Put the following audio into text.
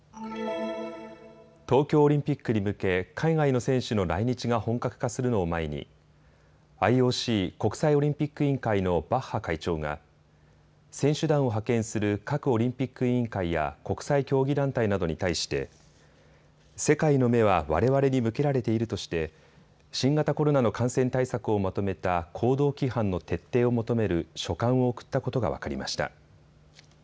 東京オリンピックに向け海外の選手の来日が本格化するのを前にＩＯＣ・国際オリンピック委員会のバッハ会長が選手団を派遣する各オリンピック委員会や国際競技団体などに対して世界の目はわれわれに向けられているとして新型コロナの感染対策をまとめた行動規範の徹底を求める書簡を送ったことが分かりました。